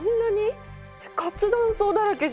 活断層だらけじゃない！